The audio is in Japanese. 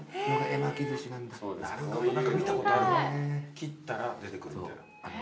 切ったら出てくるみたいな。